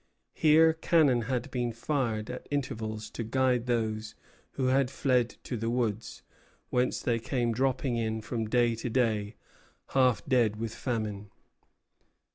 Here cannon had been fired at intervals to guide those who had fled to the woods, whence they came dropping in from day to day, half dead with famine.